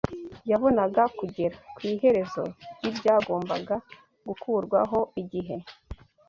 Yabonaga kugera ku iherezo ry’ibyagombaga gukurwaho igihe,